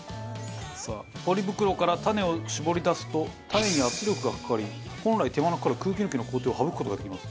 ポリ袋からタネを絞り出すとタネに圧力がかかり本来手間のかかる空気抜きの工程を省く事ができます。